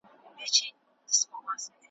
اوس له دي بوډۍ لکړي چاته په فریاد سمه ,